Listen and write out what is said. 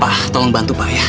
pak tolong bantu pak ya